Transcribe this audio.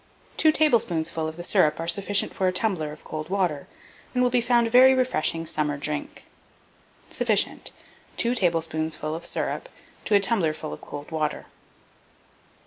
Two tablespoonfuls of the syrup are sufficient for a tumbler of cold water, and will be found a very refreshing summer drink. Sufficient 2 tablespoonfuls of syrup to a tumbler ful of cold water.